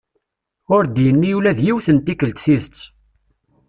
Ur d-yenni ula d yiwet n tikkelt tidet.